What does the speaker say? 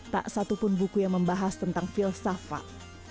tak satupun buku yang membahas tentang filsafat